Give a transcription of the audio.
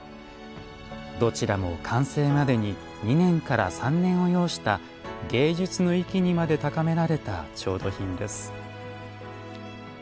どちらも完成までに２年から３年を要した芸術の域にまで高められた調度品です。